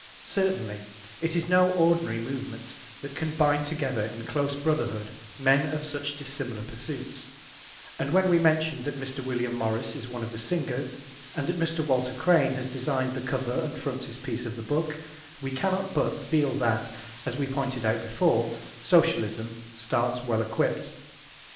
Certainly, it is no ordinary movement that can bind together in close brotherhood men of such dissimilar pursuits, and when we mention that Mr. William Morris is one of the singers, and that Mr. Walter Crane has designed the cover and frontispiece of the book, we cannot but feel that, as we pointed out before, Socialism starts well equipped.